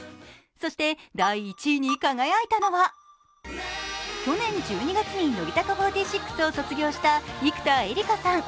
そして、第１位に輝いたのは去年１２月に乃木坂４６を卒業した生田絵梨花さん。